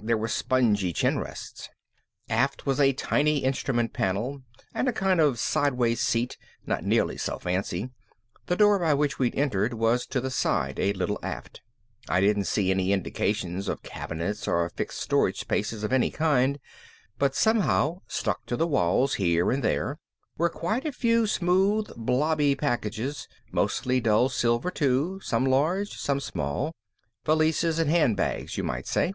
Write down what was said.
There were spongy chinrests. Aft was a tiny instrument panel and a kind of sideways seat, not nearly so fancy. The door by which we'd entered was to the side, a little aft. I didn't see any indications of cabinets or fixed storage spaces of any kinds, but somehow stuck to the walls here and there were quite a few smooth blobby packages, mostly dull silver too, some large, some small valises and handbags, you might say.